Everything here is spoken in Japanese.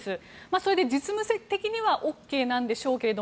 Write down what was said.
それで実務的にはＯＫなんでしょうけど